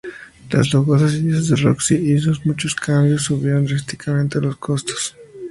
Las lujosas ideas de Roxy y sus muchos cambios subieron drásticamente los costos.